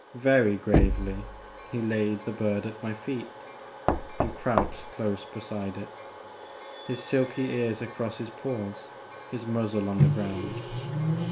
Very gravely he laid the bird at my feet and crouched close beside it, his silky ears across his paws, his muzzle on the ground.